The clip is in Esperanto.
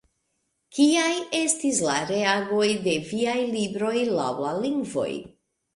Kiaj estis la reagoj al viaj libroj laŭ la lingvoj?